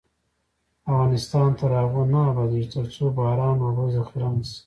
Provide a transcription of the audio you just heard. افغانستان تر هغو نه ابادیږي، ترڅو باران اوبه ذخیره نشي.